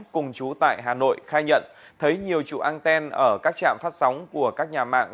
cùng chú tại hà nội khai nhận thấy nhiều trụ an ten ở các trạm phát sóng của các nhà mạng